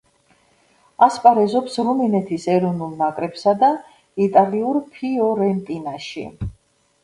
ასპარეზობს რუმინეთის ეროვნულ ნაკრებსა და იტალიურ „ფიორენტინაში“.